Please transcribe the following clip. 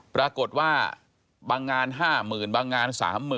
ปรากฏว่าบางงาน๕๐๐๐บางงาน๓๐๐๐